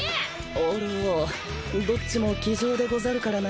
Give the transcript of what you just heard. おろどっちも気丈でござるからなぁ。